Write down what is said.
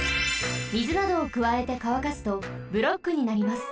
みずなどをくわえてかわかすとブロックになります。